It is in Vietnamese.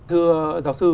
thưa giáo sư